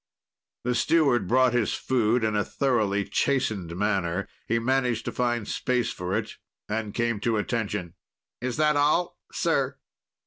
The steward brought his food in a thoroughly chastened manner. He managed to find space for it and came to attention. "Is that all sir?"